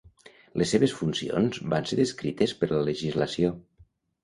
Les seves funcions van ser descrites per la legislació.